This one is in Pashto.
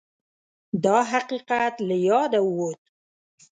دا حقیقت له یاده ووت